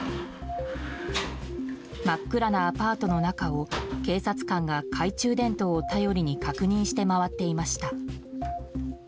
真っ暗なアパートの中を警察官が、懐中電灯を頼りに確認して回っていました。